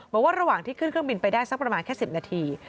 บอกว่าระหว่างที่ขึ้นเครื่องบินไปได้สักประมาณแค่๑๐นาที